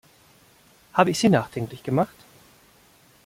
Habe ich Sie nachdenklich gemacht?